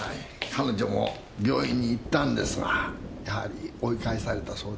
彼女も病院に行ったんですがやはり追い返されたそうです。